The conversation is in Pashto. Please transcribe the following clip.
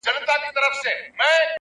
o دعا ؛ دعا ؛دعا ؛ دعا كومه؛